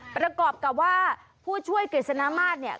ประกอบกับว่าผู้ช่วยกฤษณามาศเนี่ย